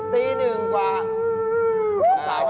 ตีหนึ่งกว่า